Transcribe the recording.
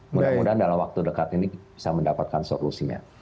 mudah mudahan dalam waktu dekat ini bisa mendapatkan solusinya